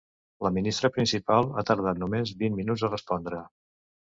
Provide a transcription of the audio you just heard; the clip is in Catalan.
La ministra principal ha tardat només vint minuts a respondre.